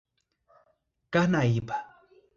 Carnaíba